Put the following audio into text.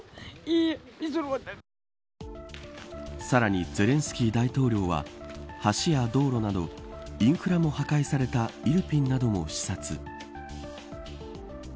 さらにゼレンスキー大統領は橋や道路などインフラも破壊されたイルピンなども視察。